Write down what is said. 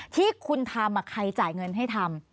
ที่คุณทำใครจ่ายเงินให้ทำ